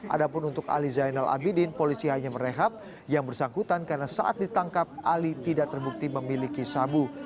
ada pun untuk ali zainal abidin polisi hanya merehab yang bersangkutan karena saat ditangkap ali tidak terbukti memiliki sabu